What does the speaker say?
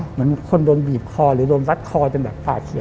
เหมือนคนโดนบีบคอหรือโดนรัดคอจนแบบปากเขียว